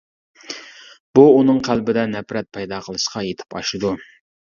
بۇ ئۇنىڭ قەلبىدە نەپرەت پەيدا قىلىشقا يىتىپ ئاشىدۇ.